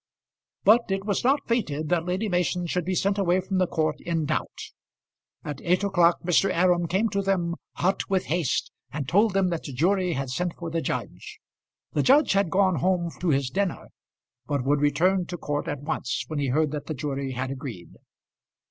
But it was not fated that Lady Mason should be sent away from the court in doubt. At eight o'clock Mr. Aram came to them, hot with haste, and told them that the jury had sent for the judge. The judge had gone home to his dinner, but would return to court at once when he heard that the jury had agreed.